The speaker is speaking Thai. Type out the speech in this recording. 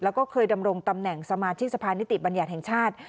และเคยดำรงตำแหน่งสมาชิกสภานิติบรรยาชแห่งชาติ